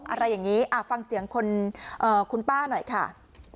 อะไรอย่างนี้ฟังเสียงคุณป้าหน่อยค่ะ